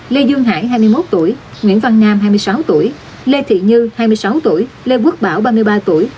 lê dương hải hai mươi một tuổi nguyễn văn nam hai mươi sáu tuổi lê thị như hai mươi sáu tuổi lê quốc bảo ba mươi ba tuổi